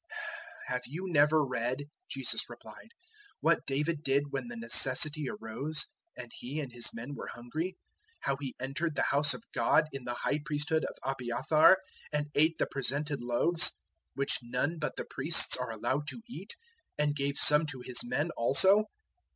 002:025 "Have you never read," Jesus replied, "what David did when the necessity arose and he and his men were hungry: 002:026 how he entered the house of God in the High priesthood of Abiathar, and ate the Presented Loaves which none but the priests are allowed to eat and gave some to his men also?"